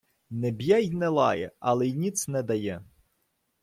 Не б'є й не лає, але й ніц не дає.